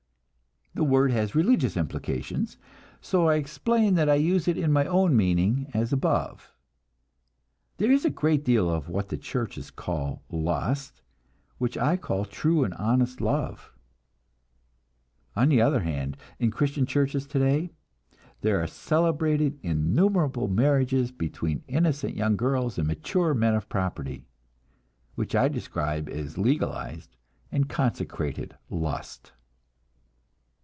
The word has religious implications, so I explain that I use it in my own meaning, as above. There is a great deal of what the churches call lust, which I call true and honest love; on the other hand, in Christian churches today, there are celebrated innumerable marriages between innocent young girls and mature men of property, which I describe as legalized and consecrated lust.